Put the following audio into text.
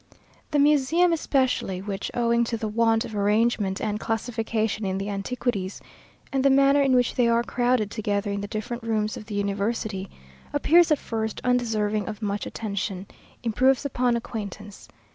The Museum especially, which, owing to the want of arrangement and classification in the antiquities, and the manner in which they are crowded together in the different rooms of the university, appears at first undeserving of much attention, improves upon acquaintance.